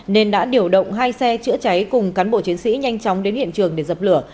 nên đã điều động hai xe chữa cháy cùng cán bộ chiến sĩ nhanh chóng đến hiện trường để dập lửa